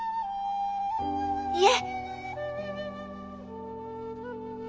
いえ！